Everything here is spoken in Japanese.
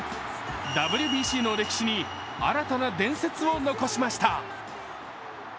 ＷＢＣの歴史に新たな伝説を残しました。